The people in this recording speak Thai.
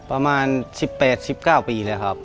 ประมาณ๑๘๑๙ปีเลยครับ